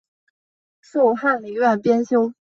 授翰林院编修。